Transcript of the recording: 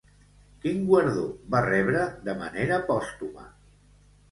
Quin guardó va rebre de manera pòstuma?